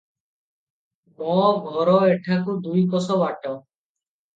ମୋ ଘର ଏଠାକୁ ଦୁଇ କୋଶ ବାଟ ।